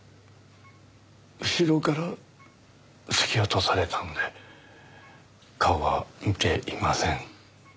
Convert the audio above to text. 後ろから突き落とされたので顔は見ていません。